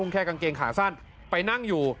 แค่กางเกงขาสั้นไปนั่งอยู่